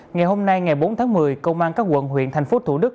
ngày hôm nay ngày bốn tháng một mươi công an các quận huyện thành phố thủ đức